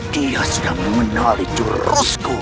dia sedang mengenali jurusku